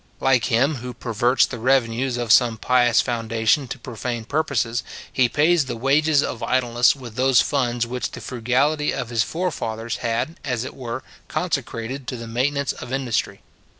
Like him who perverts the revenues of some pious foundation to profane purposes, he pays the wages of idleness with those funds which the frugality of his forefathers had, as it were, consecrated to the maintenance of industry.